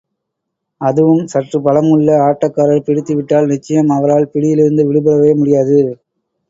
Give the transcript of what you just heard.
அதுவும் சற்று பலம் உள்ள ஆட்டக்காரர் பிடித்துவிட்டால், நிச்சயம் அவரால் பிடியிலிருந்து விடுபடவே முடியாது.